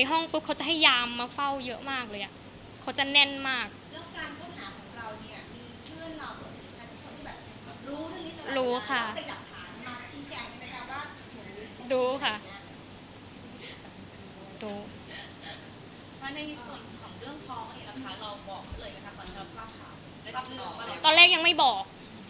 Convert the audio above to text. ตอนแรกยังไม่บอก